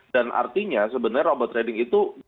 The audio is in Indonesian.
dan artinya sebenarnya robot trading itu